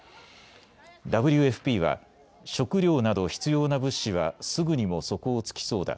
ＷＦＰは食料など必要な物資はすぐにも底をつきそうだ。